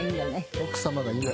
奥様がいい。